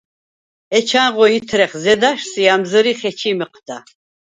ეჩანღო ითრეხ ზედა̈შს ი ა̈მზჷრიხ ეჩი̄ მჷჴდა.